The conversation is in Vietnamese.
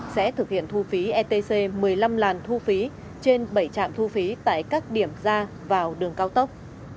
sẽ thực hiện thu phí etc một mươi năm làn thu phí trên bảy trạm thu phí tại các điểm ra vào đường cao tốc